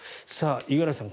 五十嵐さん